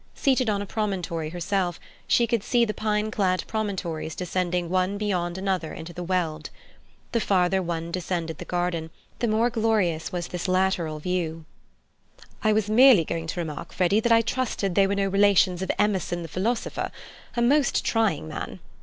Seated on a promontory herself, she could see the pine clad promontories descending one beyond another into the Weald. The further one descended the garden, the more glorious was this lateral view. "I was merely going to remark, Freddy, that I trusted they were no relations of Emerson the philosopher, a most trying man.